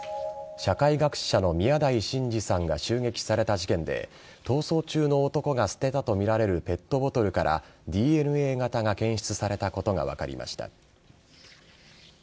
社会学者の宮台真司さんが襲撃された事件で逃走中の男が捨てたとみられるペットボトルからＤＮＡ型が検出されたことが分かりました。